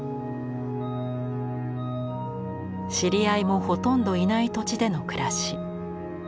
知り合いもほとんどいない土地での暮らし。